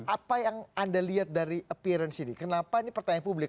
apa yang anda lihat dari appearance ini kenapa ini pertanyaan publik